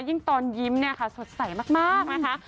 ยิ่งตอนยิ้มเนี่ยค่ะสดใสมากนะคะ